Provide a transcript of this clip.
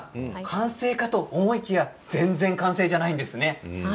完成かと思いきや全然完成じゃないんですよね。